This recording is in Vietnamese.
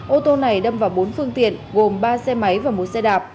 ô tô này đâm vào bốn phương tiện gồm ba xe máy và một xe đạp